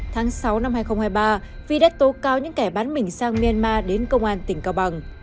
tháng sáu năm hai nghìn hai mươi ba vi đã tố cáo những kẻ bán mình sang myanmar đến công an tỉnh cao bằng